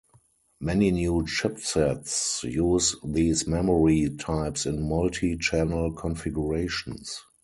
Many new chipsets use these memory types in multi-channel configurations.